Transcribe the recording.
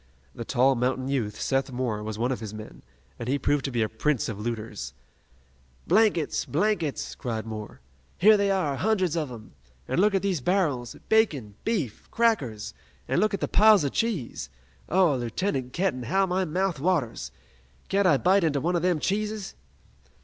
The tall mountain youth, Seth Moore, was one of his men, and he proved to be a prince of looters. "Blankets! blankets!" cried Moore. "Here they are, hundreds of 'em! An' look at these barrels! Bacon! Beef! Crackers! An' look at the piles of cheese! Oh, Lieutenant Kenton, how my mouth waters! Can't I bite into one o' them cheeses?"